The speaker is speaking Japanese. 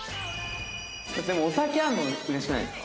でもお酒あるのうれしくないですか？